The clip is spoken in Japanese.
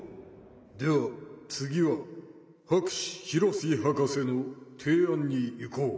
ではつぎは博士博士博士のていあんにいこう。